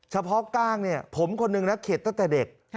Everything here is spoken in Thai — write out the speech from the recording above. เฉพาะกล้างผมคนหนึ่งนะเข็ดตั้งแต่เด็ก